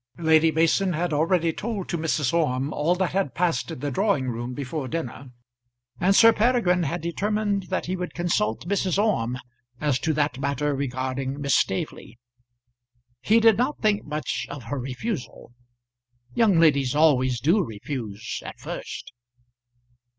Lady Mason had already told to Mrs. Orme all that had passed in the drawing room before dinner, and Sir Peregrine had determined that he would consult Mrs. Orme as to that matter regarding Miss Staveley. He did not think much of her refusal. Young ladies always do refuse at first.